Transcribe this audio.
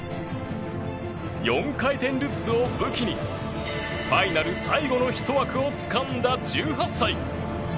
４回転ルッツを武器にファイナル最後のひと枠をつかんだ１８歳。